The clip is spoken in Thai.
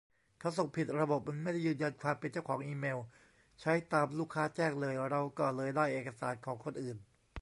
เขาส่งผิด ระบบมันไม่ได้ยืนยันความเป็นเจ้าของอีเมล ใช้ตามลูกค้าแจ้งเลย เราก็เลยได้เอกสารของคนอื่น